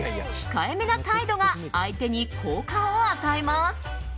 控えめな態度が相手に好感を与えます。